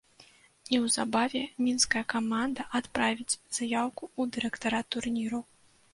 Неўзабаве мінская каманда адправіць заяўку ў дырэктарат турніру.